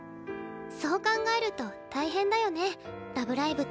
そう考えると大変だよね「ラブライブ！」